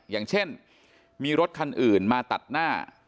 อย่างเช่นมีรถคันอื่นมาตัดหน้า